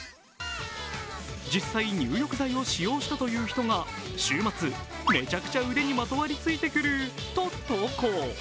実際入浴剤を使用したとする人が週末、めちゃくちゃ腕にまとわりついてくると投稿。